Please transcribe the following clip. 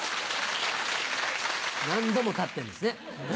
何度も立ってんですね。